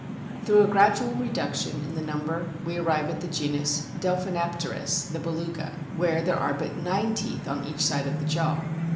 Through a gradual reduction in the number we arrive at the genus Delphinapterus (the Beluga), where there are but nine teeth on each side of each jaw.